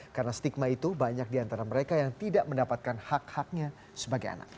karena stigma itu banyak diantara mereka yang tidak mendapatkan hak haknya sebagai anak